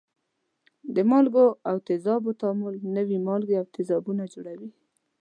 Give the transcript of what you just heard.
د مالګو او تیزابو تعامل نوي مالګې او تیزابونه جوړوي.